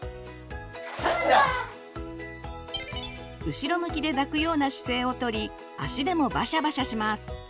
後ろ向きで抱くような姿勢をとり足でもバシャバシャします。